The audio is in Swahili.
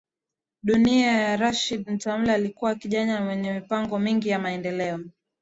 dunia wa Rashid Matumla Alikuwa kijana mwenye mipango mingi ya maendeleo